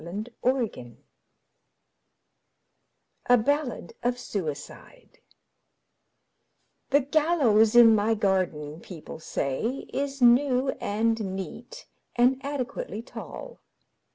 Chesterton A Ballade of Suicide THE gallows in my garden, people say, Is new and neat and adequately tall.